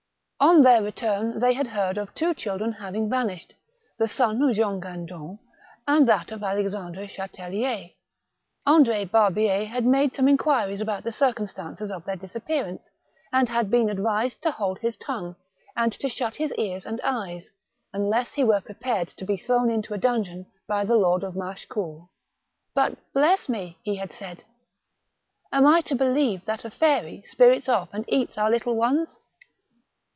On their return they had heard of two chil dren having vanished — the son of Jean Gendron, and that of Alexandre Chatellier. Andr6 Barhier had made some inquiries about the circumstances of their disap pearance, and had been advised to hold his tongue, and to shut his ears and eyes, unless he were pre pared to be thrown into a dungeon by the lord of Machecoul. " But, bless me !" he had said, " am I to believe that a fairy spirits oflf and eats our little ones